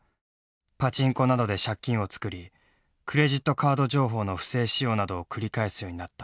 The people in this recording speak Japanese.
パチンコなどで借金を作りクレジットカード情報の不正使用などを繰り返すようになった。